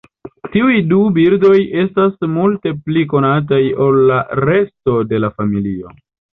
Tiuj du birdoj estas multe pli konataj ol la resto de la familio.